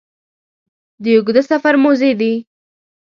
د اوږده سفر موزې دي